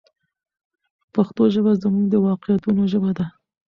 پښتو ژبه زموږ د واقعیتونو ژبه ده.